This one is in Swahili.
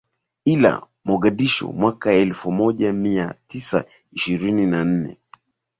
ila Mogadishu mwaka elfu moja mia tisa ishirini na nne